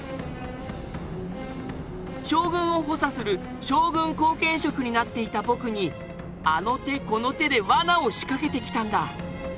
将軍を補佐する将軍後見職になっていた僕にあの手この手でわなを仕掛けてきたんだ。